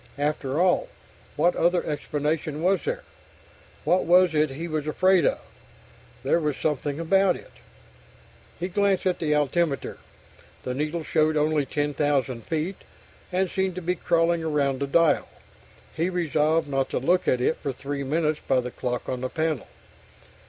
After all, what other explanation was there? What was it he was afraid of? There was something about it He glanced at the altimeter. The needle showed only 10,000 feet, and seemed to be crawling around the dial. He resolved not to look at it for three minutes by the clock on the panel.